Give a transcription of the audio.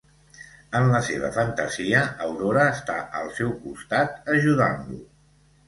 En la seva fantasia, Aurora està al seu costat, ajudant-lo.